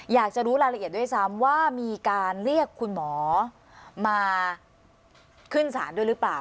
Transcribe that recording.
อยากจะรู้รายละเอียดด้วยซ้ำว่ามีการเรียกคุณหมอมาขึ้นศาลด้วยหรือเปล่า